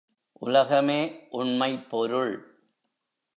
உலகமே உண்மைப் பொருள்...